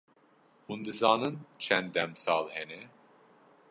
Hûn dizanin çend demsal hene?